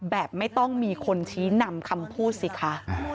แบบไม่ต้องมีคนชี้นำคำพูดสิคะ